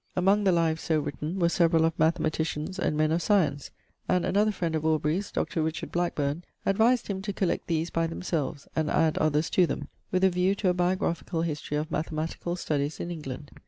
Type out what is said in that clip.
Among the lives so written were several of mathematicians and men of science. And another friend of Aubrey's, Dr. Richard Blackburne, advised him to collect these by themselves, and add others to them, with a view to a biographical history of mathematical studies in England.